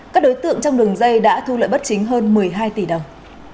các đối tượng trong đường dây đã thu lợi bất chính hơn một mươi hai tỷ đồng